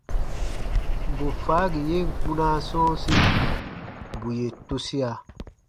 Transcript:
Bù faagi yen kpunaa sɔ̃ɔsi, bù yè tusia.